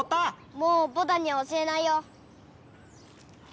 もうポタには教えないよ。